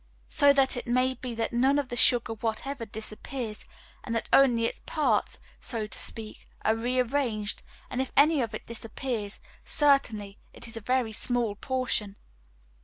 So that it may be that none of the sugar whatever disappears, and that only its parts, so to speak, are re arranged, and if any of it disappears, certainly it is a very small portion.